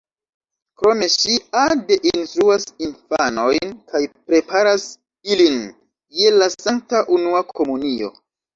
Krome ŝi ade instruas infanojn kaj preparas ilin je la sankta unua komunio.